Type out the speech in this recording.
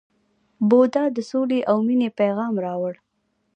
بودا د سولې او مینې پیغام راوړ.